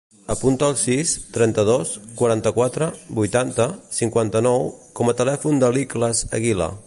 Apunta el sis, trenta-dos, quaranta-quatre, vuitanta, cinquanta-nou com a telèfon de l'Ikhlas Aguila.